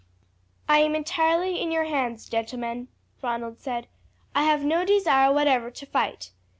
"I am entirely in your hands, gentlemen," Ronald said. "I have no desire whatever to fight.